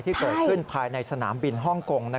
ที่เกิดขึ้นภายในสนามบินฮ่องกง